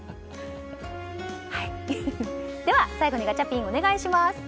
では、最後にガチャピンお願いします。